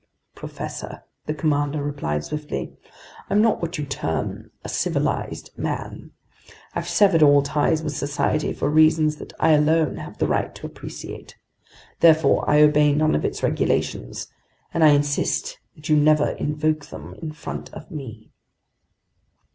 "Professor," the commander replied swiftly, "I'm not what you term a civilized man! I've severed all ties with society, for reasons that I alone have the right to appreciate. Therefore I obey none of its regulations, and I insist that you never invoke them in front of me!"